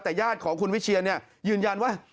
แต่ย่าของคุณวิเชียร์เนี่ยยืนยันว่า